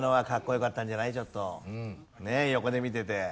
ねえ横で見てて。